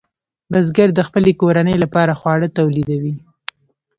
بزګر د خپلې کورنۍ لپاره خواړه تولیدوي.